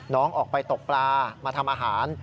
น้องออกไปตกปลามาทำอาหาร